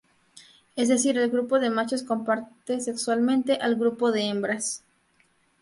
Es decir el grupo de machos comparte sexualmente al grupo de hembras.